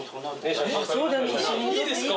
いいですか？